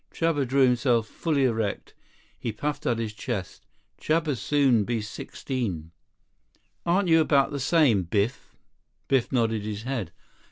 Chuba drew himself fully erect. He puffed out his chest. "Chuba soon be sixteen." "Aren't you about the same, Biff?" Biff nodded his head.